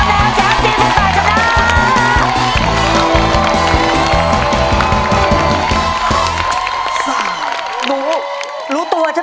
ยิ่งเสียใจ